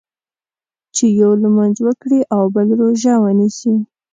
چې یو لمونځ وکړي او بل روژه ونیسي.